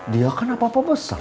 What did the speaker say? dia kan apa apa besar